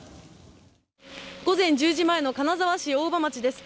午前１０時前の金沢市大場町です。